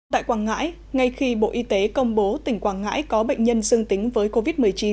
tại quảng ngãi ngay khi bộ y tế công bố tỉnh quảng ngãi có bệnh nhân dương tính với covid một mươi chín